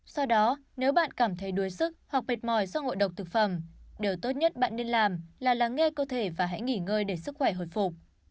do đó nếu bạn cảm thấy đuối sức hoặc mệt mỏi do ngội độc thực phẩm điều tốt nhất bạn nên làm là lắng nghe cơ thể và hãy nghỉ ngơi để sức khỏe hồi phục